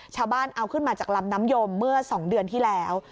ชาวบ้านเอาขึ้นมาจากลำน้ำยมเมื่อ๒เดือนที่แล้ว